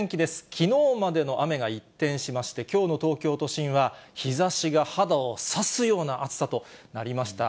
きのうまでの雨が一転しまして、きょうの東京都心は日ざしが肌を刺すような暑さとなりました。